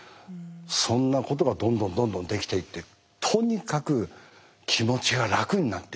そんなことがどんどんどんどんできていってとにかく気持ちが楽になっていったんですよね。